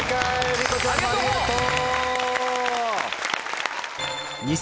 りこちゃんもありがとう。